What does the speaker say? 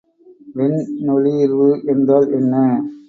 வெண்ணொளிர்வு என்றால் என்ன?